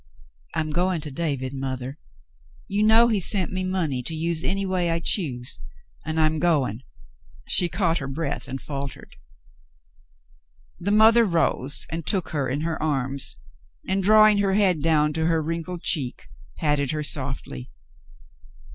"I'm going to David, mother. You know he sent me money to use any w^ay I choose, and I'm going." She caught her breath and faltered. The mother rose and took her in her arms, and, drawing her head down to her wrinkled cheek, patted her softly.